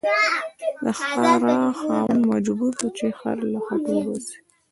د خره خاوند مجبور و چې خر له خټو وباسي